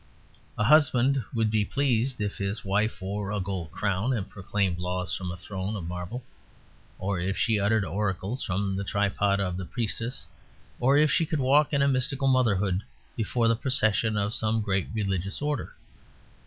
A husband would be pleased if his wife wore a gold crown and proclaimed laws from a throne of marble; or if she uttered oracles from the tripod of a priestess; or if she could walk in mystical motherhood before the procession of some great religious order.